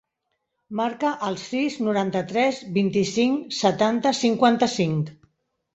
Marca el sis, noranta-tres, vint-i-cinc, setanta, cinquanta-cinc.